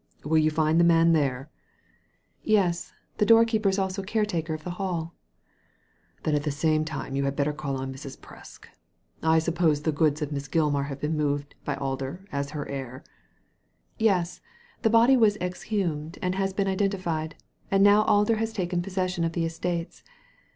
" Will you find the man there ?" Digitized by Google WHAT MRS. PRESK FOUND 187 ''Yes ; the doorkeeper is also the caretaker of the halL *" Then at the same time you had better call on Mrs. Presk. I suppose the goods of Miss Gilmar have been moved by Alder as her heir ?" ''Yesl The body was exhumed and has been identified, and now Alder has taken possession of the estates.